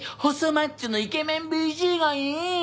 マッチョのイケメンＢＧがいい。